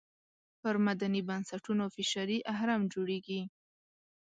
پر مدني بنسټونو فشاري اهرم جوړېږي.